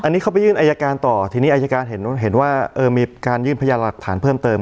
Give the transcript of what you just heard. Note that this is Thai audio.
อันนี้เขาไปยื่นอายการต่อทีนี้อายการเห็นว่ามีการยื่นพยาหลักฐานเพิ่มเติม